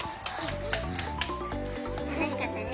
たのしかったね。